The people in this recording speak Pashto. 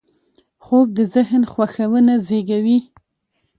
خوب د ذهن خوښونه زېږوي